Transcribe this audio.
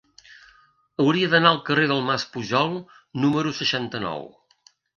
Hauria d'anar al carrer del Mas Pujol número seixanta-nou.